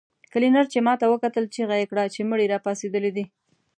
کلينر چې ماته وکتل چيغه يې کړه چې مړی راپاڅېدلی دی.